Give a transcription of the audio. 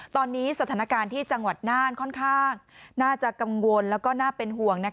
ตอนนี้สถานการณ์ที่จังหวัดน่านค่อนข้างน่าจะกังวลแล้วก็น่าเป็นห่วง